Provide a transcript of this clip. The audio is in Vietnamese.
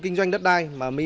rồi em xoay vòng lại